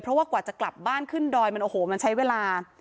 เพราะว่ากว่าจะกลับบ้านขึ้นดอยมันโอ้โหมันใช้เวลา